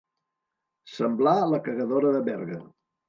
Semblar la cagadora de Berga.